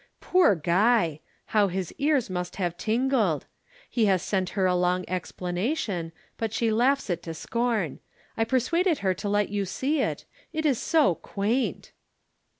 Poor Guy! How his ears must have tingled. He has sent her a long explanation, but she laughs it to scorn. I persuaded her to let you see it it is so quaint."